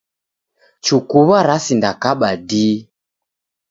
Chukuw'a rasindakaba dii.